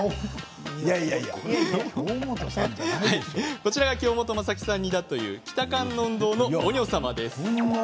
こちらが京本政樹さん似だという北観音堂のオニョサマです。